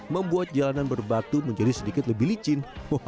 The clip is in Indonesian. membuat jalanan berbatu menjadi sedikit lebih licin